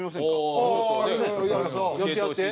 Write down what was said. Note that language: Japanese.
やってやって。